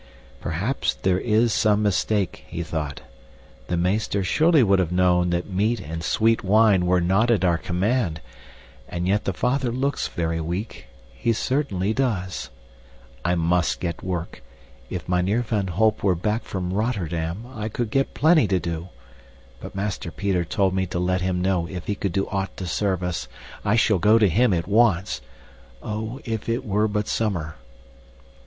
Perhaps there is some mistake, he thought. The meester surely would have known that meat and sweet wine were not at our command; and yet the father looks very weak he certainly does. I MUST get work. If Mynheer van Holp were back from Rotterdam, I could get plenty to do. But Master Peter told me to let him know if he could do aught to serve us. I shall go to him at once. Oh, if it were but summer!